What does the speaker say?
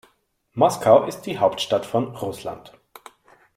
Moskau ist die Hauptstadt von Russland.